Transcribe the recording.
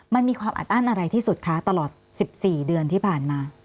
มันมีความอัดอั้นอะไรที่สุดคะตลอด๑๔เดือนที่ผ่านมา